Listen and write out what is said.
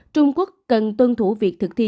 trung quốc cần tuân thủ việc thực thi